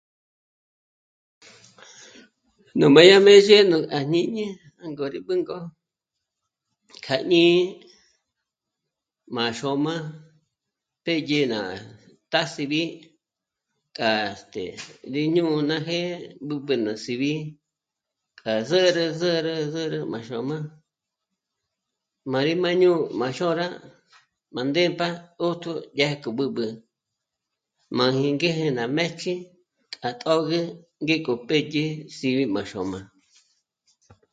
Nú mbé à mézhe nú... à jñíñi jângo rí b'ǘnk'o kja jñí'i má xôm'a pédye ná tásìb'i k'a este... rí jñôna jë́'ë b'ǚb'ü ná sìb'i k'a zä̌rä, zä̌rä, zä̌rä má xôm'a, má rí má'ñu má xôra má ndémp'a 'ö́jtjö dyájkja b'üb'ü máji ngéje má më́jkji tát'ö̌gü ngék'o pédye sìb'i má xôm'a